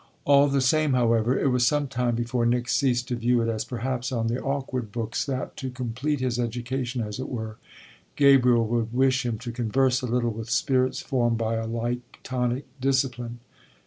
All the same, however, it was some time before Nick ceased to view it as perhaps on the awkward books that, to complete his education as it were, Gabriel would wish him to converse a little with spirits formed by a like tonic discipline.